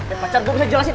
eh pacar gue bisa jelasin